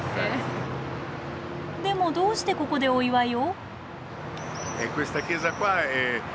でもどうしてここでお祝いを？